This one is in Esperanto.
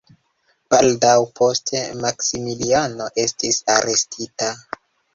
Baldaŭ poste Maksimiliano estis arestita.